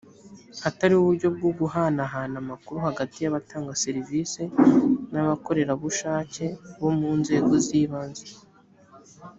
hatariho uburyo bwo guhanahana amakuru hagati y’abatanga serivisi n’ abakorerabushake bo mu nzego z’ibanze